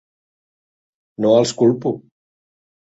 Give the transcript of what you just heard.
No els culpo.